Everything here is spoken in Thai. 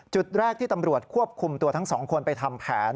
จุดแรกที่ตำรวจควบคุมตัวทั้งสองคนไปทำแผน